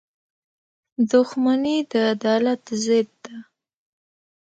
• دښمني د عدالت ضد ده.